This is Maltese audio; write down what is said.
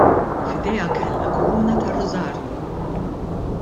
F'idejha kellha kuruna tar-rużarju.